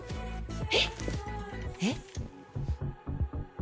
えっ？えっ。